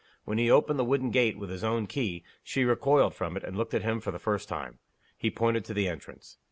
When he opened the wooden gate, with his own key, she recoiled from it, and looked at him for the first time. He pointed to the entrance.